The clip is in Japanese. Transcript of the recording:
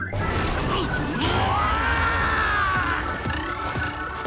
うわ！